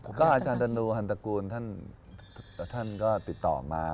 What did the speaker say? ก็อาจารย์ดนูฮันตกูลท่านก็ติดต่อมา